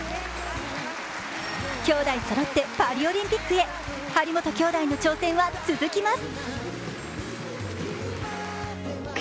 きょうだいそろってパリオリンピックへ張本きょうだいの挑戦は続きます。